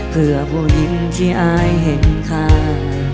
เพื่อผู้หญิงที่อายเห็นค่า